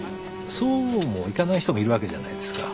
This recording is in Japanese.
そうもいかない人もいるわけじゃないですか。